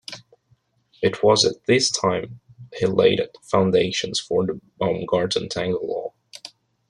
It was at this time he laid the foundations for the Baumgarten-Tangl law.